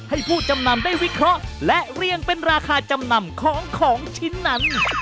ผู้จำนำได้วิเคราะห์และเรียงเป็นราคาจำนำของของชิ้นนั้น